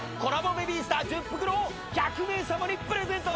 ベビースター１０袋を１００名様にプレゼント！